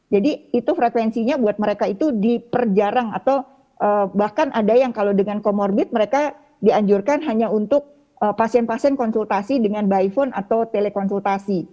itu frekuensinya buat mereka itu diperjarang atau bahkan ada yang kalau dengan comorbid mereka dianjurkan hanya untuk pasien pasien konsultasi dengan by phone atau telekonsultasi